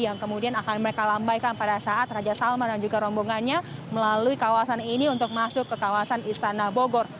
yang kemudian akan mereka lambaikan pada saat raja salman dan juga rombongannya melalui kawasan ini untuk masuk ke kawasan istana bogor